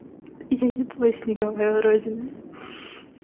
Я не твой, снеговая уродина.